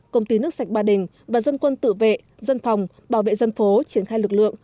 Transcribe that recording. công ty nước sạch ba đình và dân quân tự vệ dân phòng bảo vệ dân phố triển khai lực lượng